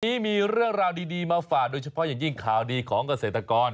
วันนี้มีเรื่องราวดีมาฝากโดยเฉพาะอย่างยิ่งข่าวดีของเกษตรกร